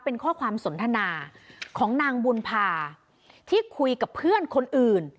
เป็นข้อความสนทนาของนางบุญภาที่คุยกับเพื่อนคนอื่น